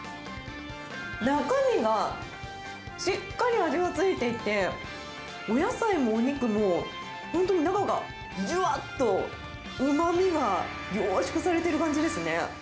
中身がしっかり味が付いていて、お野菜もお肉も、本当に中がじゅわっと、うまみが凝縮されている感じですね。